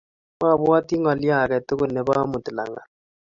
Mabwati ngalyo age tukul nebo amut langat